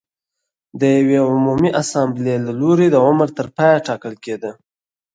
د یوې عمومي اسامبلې له لوري د عمر تر پایه ټاکل کېده